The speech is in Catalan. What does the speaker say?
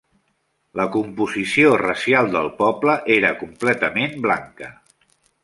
La composició racial del poble era completament blanca.